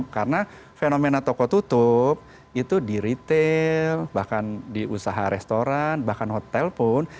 karena fenomena toko tutup itu di retail bahkan di usaha restoran bahkan hotel pun